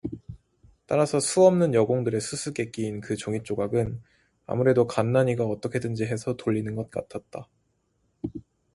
따라서 수없는 여공들의 수수께끼인 그 종잇조각은 아무래도 간난이가 어떻게든지 해서 돌리는 것 같았다.